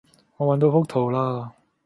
我搵到幅圖喇